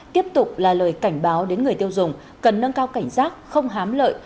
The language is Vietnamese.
tiếp tục là lời cảnh báo đến người tiêu dùng cần nâng cao cảnh giác không hám lợi